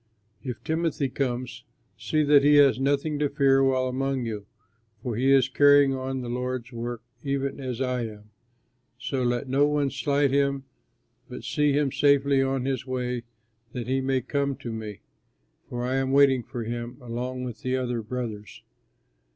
If Timothy comes, see that he has nothing to fear while among you, for he is carrying on the Lord's work even as I am. So let no one slight him, but see him safely on his way that he may come to me, for I am waiting for him along with the other brothers.